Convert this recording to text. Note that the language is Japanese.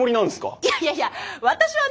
いやいやいや私はね